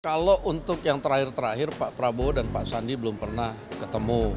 kalau untuk yang terakhir terakhir pak prabowo dan pak sandi belum pernah ketemu